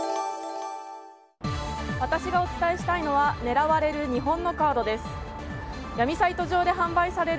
私がお伝えしたいのは狙われる日本のカードです。